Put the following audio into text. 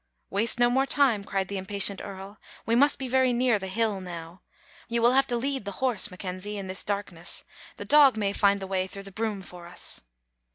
"Waste no more time," cried the impatient earl. " We must be very near the hill now. You will have to lead the horse, McKenzie, in this darkness ; the dog may find the way through the broom for us.